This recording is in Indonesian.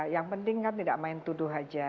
tapi kita ingat tidak main tuduh saja